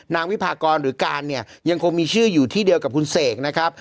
วิพากรหรือการเนี่ยยังคงมีชื่ออยู่ที่เดียวกับคุณเสกนะครับ